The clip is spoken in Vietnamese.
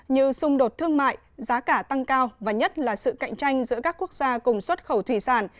như xung đột thương mại giá cả tăng cao và nhất là sự cạnh tranh giữa các quốc gia cùng xuất khẩu thủy sản